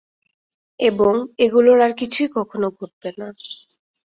এবং, এগুলোর আর কিছুই কখনও ঘটবে না।